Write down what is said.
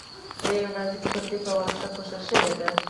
د یوې نازکې پردې په واسطه پوښل شوي دي.